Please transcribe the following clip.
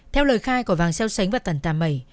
theo lời khai của vàng xeo xánh và tần pa mẩy